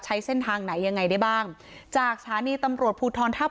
ใช้เส้นทางไหนยังไงได้บ้างจากสถานีตำรวจภูทรทัพ